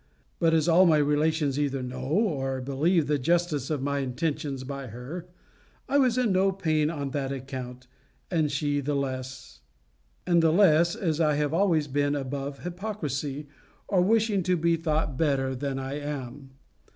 But as all my relations either know or believe the justice of my intentions by her, I was in no pain on that account; and the less, as I have always been above hypocrisy, or wishing to be thought better than I am.